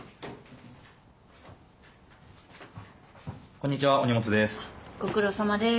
こんにちはお荷物です。